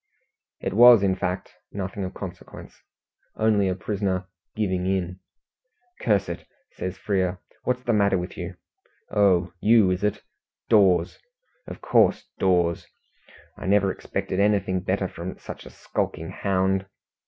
It was, in fact, nothing of consequence only a prisoner "giving in". "Curse it!" says Frere, "What's the matter with you? Oh, you, is it? Dawes! Of course, Dawes. I never expected anything better from such a skulking hound.